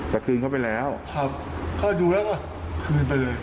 แต่คืนเขาไปแล้วเขาดูแล้วก็คืนไปเลย